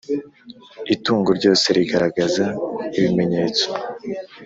Itungo ryose rigaragaza ibimenyetso